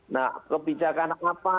nah kebijakan apa